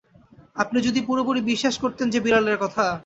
আপনি যদি পুরোপুরি বিশ্বাস করতেন যে বিড়ালের কথা।